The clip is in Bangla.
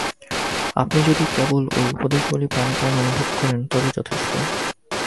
আপনি যদি কেবল ঐ উপদেশগুলি প্রাণে প্রাণে অনুভব করেন, তবেই যথেষ্ট।